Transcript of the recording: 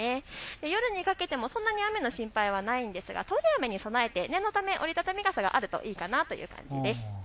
夜にかけてもそんなに雨の心配はないんですが通り雨に備えて折り畳み傘があるといいかなという感じです。